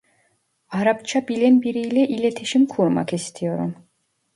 Arapça bilen biriyle iletişim kurmak istiyorum